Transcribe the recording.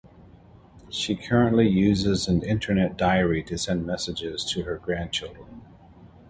She currently uses an internet diary to send messages to her grandchildren.